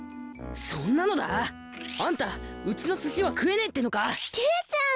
「そんなの」だあ⁉あんたうちのすしはくえねえってのか⁉けんちゃん！